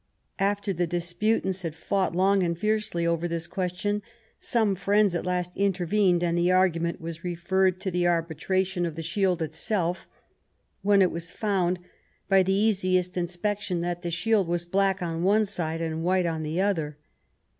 After the disputants had fought long and fiercely over this question, some friends at last intervened, and the argument was referred to the arbitration of the shield itself, when it was found, by the easiest inspection, that the shield was black on one side and white on the other.